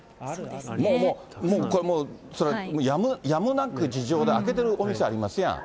もうもう、これ、やむなく事情で開けてるお店、ありますやん。